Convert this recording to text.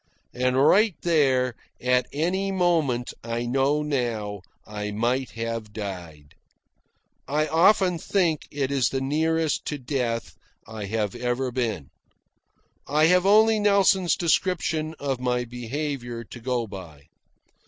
And right there, at any moment, I know now, I might have died. I often think it is the nearest to death I have ever been. I have only Nelson's description of my behaviour to go by.